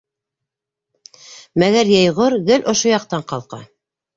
Мәгәр йәйғор гел ошо яҡтан ҡалҡа.